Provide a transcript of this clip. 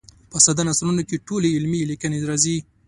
په ساده نثرونو کې ټولې علمي لیکنې راځي.